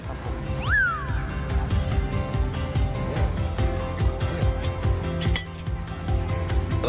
ครับผม